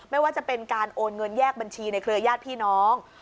ไม่ว่าจะเป็นการโอนเงินแยกบัญชีในเครือญาติพี่น้อง